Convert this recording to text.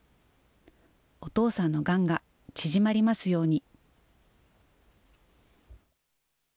お父さんのがんが縮まりますように。